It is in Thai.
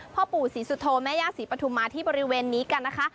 พ่อปู่ศรีสุโธแม่ย่าศรีปฐุมาที่บริเวณนี้กันนะคะ